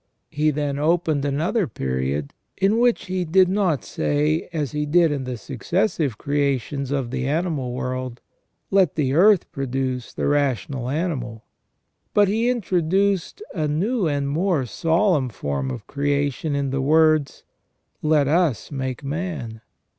He then opened another period, in which He did not say, as He did in the successive creations of the animal world. Let the earth produce the rational animal. But he introduced a new and more solemn form of creation in the words :" Let us make man